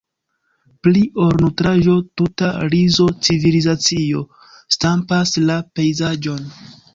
Pli ol nutraĵo, tuta rizo-civilizacio stampas la pejzaĝon.